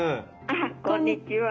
あっこんにちは。